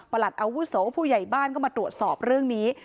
อาวุโสผู้ใหญ่บ้านก็มาตรวจสอบเรื่องนี้